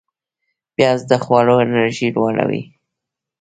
پیاز د خواړو انرژی لوړوي